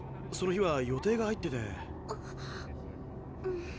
その日は予定が入ってて。